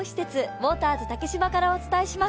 ウォーターズ竹芝からお送りします。